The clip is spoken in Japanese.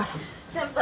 先輩。